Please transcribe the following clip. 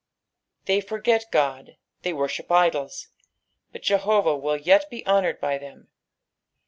They forget Qod, they worship idols, but Jehovah will yet be honoured by them.